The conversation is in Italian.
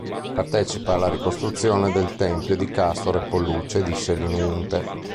Partecipa alla ricostruzione del tempio di Castore e Polluce di Selinunte.